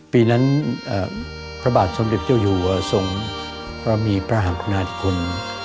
ปีนั้นพระบาทสมเด็จเจ้าอยู่ทรงพระมีพระหากคุณาธิคุณ